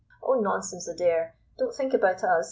"Oh, nonsense, Adair, don't think about us.